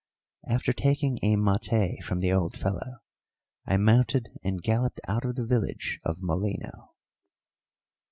After taking a maté from the old fellow, I mounted and galloped out of the village of Molino.